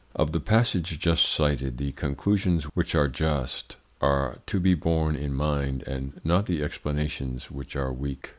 Of the passage just cited the conclusions, which are just, are to be borne in mind and not the explanations, which are weak.